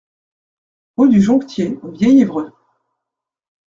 Rue du Jonctier au Vieil-Évreux